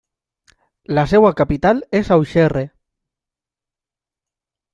La seva capital és Auxerre.